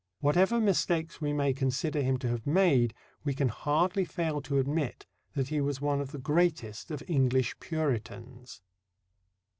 Whatever mistakes we may consider him to have made, we can hardly fail to admit that he was one of the greatest of English Puritans.